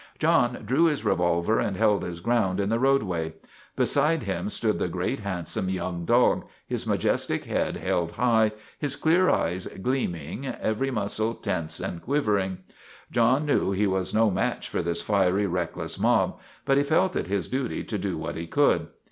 John drew his revolver and held his ground in the roadway. Beside him stood the great, handsome young dog, his majestic head held high, his clear eyes gleaming, every muscle tense and quivering. John knew he was no match for this fiery, reckless mob. but he felt it his duty to do what he could.